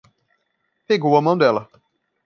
Pegou a mão dela